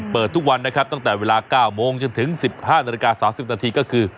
เปิดทุกวันนะครับตั้งแต่เวลาเก้าโมงจนถึงสิบห้านาฬิกาสามสิบนาทีก็คือ